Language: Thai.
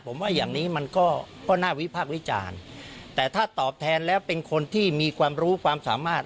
ผมว่าอย่างนี้มันก็น่าวิพากษ์วิจารณ์แต่ถ้าตอบแทนแล้วเป็นคนที่มีความรู้ความสามารถ